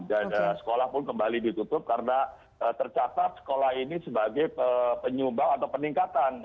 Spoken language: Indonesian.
dan sekolah pun kembali ditutup karena tercatat sekolah ini sebagai penyumbang atau peningkatan